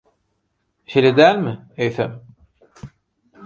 Şeýle dälmi, eýsem?